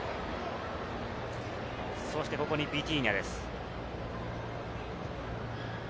ここにビティーニャです。